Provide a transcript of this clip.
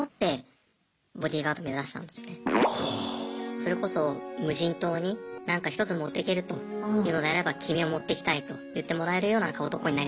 それこそ無人島になんか１つ持っていけるというのであれば君を持っていきたいと言ってもらえるような男になりたいなと思ってました。